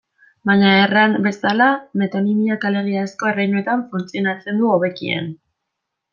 Baina, erran bezala, metonimiak alegiazko erreinuetan funtzionatzen du hobekien.